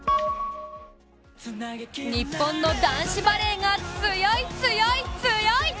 日本の男子バレーが強い、強い、強い！